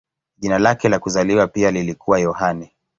Jina lake la kuzaliwa pia lilikuwa Yohane.